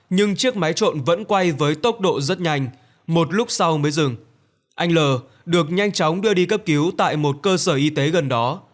nhưng chiếc máy trộn vẫn quay với tốc độ rất nhanh một lúc sau mới dừng anh l được nhanh chóng đưa đi cấp cứu tại một cơ sở y tế gần đó